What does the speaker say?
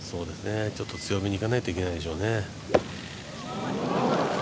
ちょっと強めにいかないといけないでしょうね。